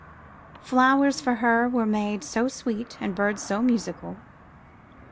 Flowers for her were made so sweet and birds so musical.